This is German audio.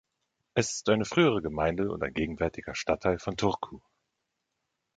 Es ist eine frühere Gemeinde und ein gegenwärtiger Stadtteil von Turku.